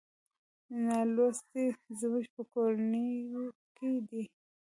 نالوستي زموږ په کورونو کې دي.